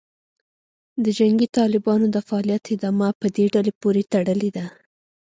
د جنګي طالبانو د فعالیت ادامه په دې ډلې پورې تړلې ده